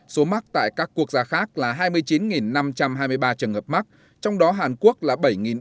số mắc tại các quốc gia khác là hai mươi chín năm trăm hai mươi ba trường hợp mắc trong đó hàn quốc là bảy bốn trăm bảy mươi tám